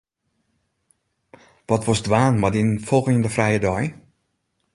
Wat wolst dwaan mei dyn folgjende frije dei?